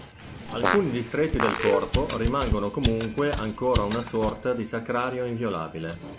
Alcuni distretti del corpo rimangono comunque ancora una sorta di sacrario inviolabile.